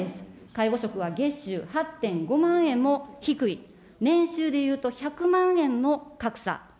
介護職は月収８．５万円も低い、年収で言うと、１００万円の格差。